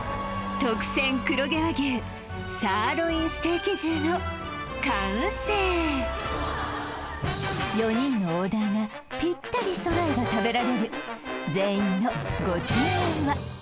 特選黒毛和牛サーロインステーキ重の完成４人のオーダーがぴったり揃えば食べられる全員のご注文は？